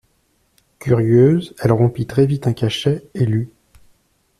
Curieuse, elle rompit très vite un cachet et lut.